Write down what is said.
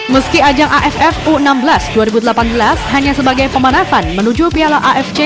meski ajang aff u enam belas dua ribu delapan belas hanya sebagai pemanasan menuju piala afc